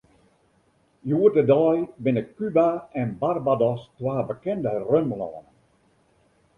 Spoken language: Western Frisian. Hjoed-de-dei binne Kuba en Barbados twa bekende rumlannen.